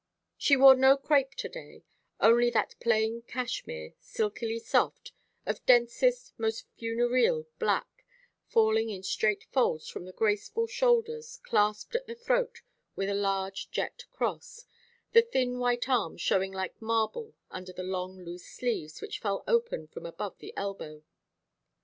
She wore no crape to day, only that plain cashmere, silkily soft, of densest, most funereal black, falling in straight folds from the graceful shoulders, clasped at the throat with a large jet cross, the thin white arms showing like marble under the long loose sleeves, which fell open from above the elbow.